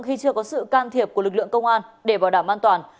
khi chưa có sự can thiệp của lực lượng công an để bảo đảm an toàn